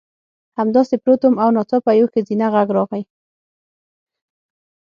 همداسې پروت وم او ناڅاپه یو ښځینه غږ راغی